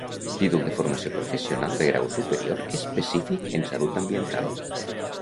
Títol de formació professional de grau superior específic en salut ambiental.